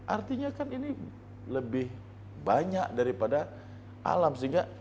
artinya kan ini lebih banyak daripada alam sehingga